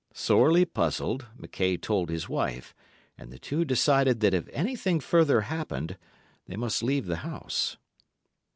Sorely puzzled, McKaye told his wife, and the two decided that if anything further happened, they must leave the house.